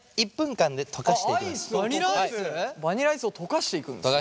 バニラアイスを溶かしていくんですね。